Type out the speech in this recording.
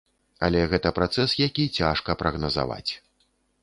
Але гэта працэс, які цяжка прагназаваць.